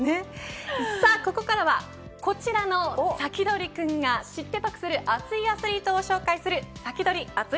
ここからは、こちらのサキドリくんが知って得する熱いアスリートを紹介するサキドリ！